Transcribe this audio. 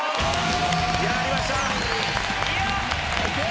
やりました！